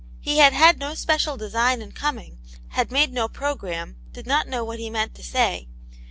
He had had no special design in coming, had made no programme, did not know what he meant to say.